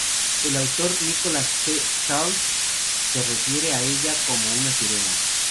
El autor Nicholas C. Charles se refiere a ella como una sirena.